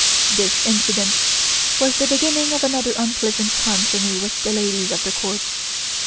This incident was the beginning of another unpleasant time for me with the ladies of the Court.